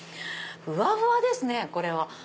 ふわふわですねこれは。